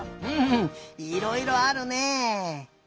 うんいろいろあるね。